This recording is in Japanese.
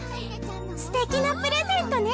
すてきなプレゼントね！